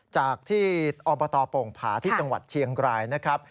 จากที่อบตโป่งผาที่จังหวัดเชียงรายนะครับ